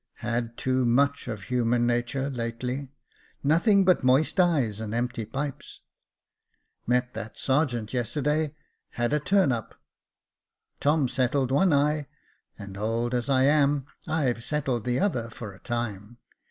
Had too much of human natur lately, — nothing but moist eyes and empty pipes. Met that sergeant yesterday, had a turn up : Tom settled one eye, and, old as I am, I've settled the other for a time.